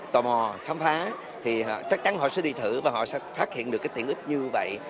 tò mò khám phá thì chắc chắn họ sẽ đi thử và họ sẽ phát hiện được cái tiện ích như vậy